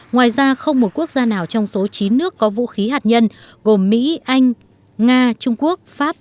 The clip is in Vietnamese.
ngoài ra không một quốc gia nào trong số chín nước có vũ khí hạt nhân gồm mỹ anh nga trung quốc pháp